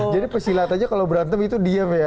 jadi pesilat aja kalau berantem itu diam ya